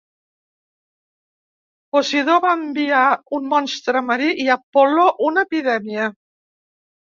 Posidó va enviar un monstre marí, i Apol·lo una epidèmia.